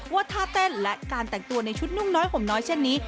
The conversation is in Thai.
ว่าท่าเต้นและการแต่งตัวในชุดนุ่งน้อยห่มน้อยเช่นนี้